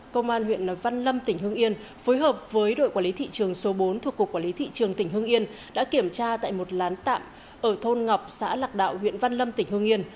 công an huyện văn lâm tỉnh hương yên phối hợp với đội quản lý thị trường số bốn thuộc cục quản lý thị trường tỉnh hưng yên đã kiểm tra tại một lán tạm ở thôn ngọc xã lạc đạo huyện văn lâm tỉnh hương yên